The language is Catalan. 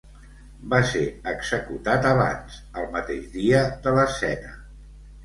Va ser executat abans, el mateix dia de l'escena.